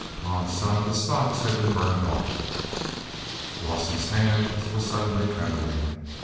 On some the stocks had been burned off. Rawson's hands were suddenly trembling.